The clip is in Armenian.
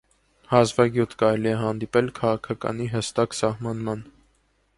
Հազվագյուտ կարելի է հանդիպել «քաղաքականի» հստակ սահմանման։